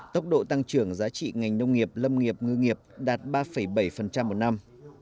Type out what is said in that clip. tốc độ tăng trưởng giá trị ngành nông nghiệp lâm nghiệp ngư nghiệp đạt ba bảy một năm